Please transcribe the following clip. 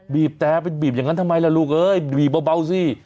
บีบแต่ไปบีบอย่างนั้นทำไมล่ะลูกเอ้ยบีบเบาสิ